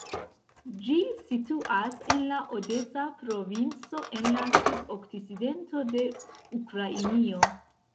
Ĝi situas en la odesa provinco, en la sudokcidento de Ukrainio.